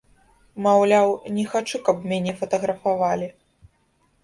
Маўляў, не хачу, каб мяне фатаграфавалі.